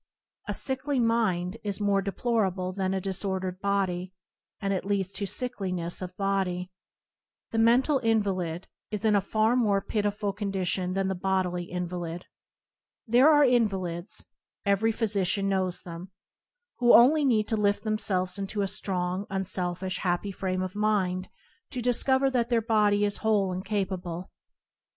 A sickly mind is more deplorable than a disordered body, and it leads to sickliness of body. The mental invalid is in a far more pitiable condition than the bodily invalid. There are invalids (every physician knows them) who only need to lift themselves into a strong, unselfish, happy frame of mind to discover that their body is whole and capable.